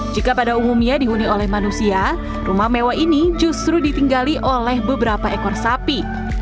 jika pada umumnya dihuni oleh manusia rumah mewah ini justru ditinggali oleh beberapa ekor sapi